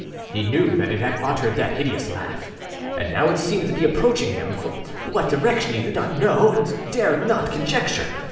He knew that it had uttered that hideous laugh. And now it seemed to be approaching him; from what direction he did not knowâdared not conjecture.